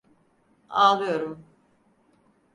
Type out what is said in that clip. Ağlıyorum.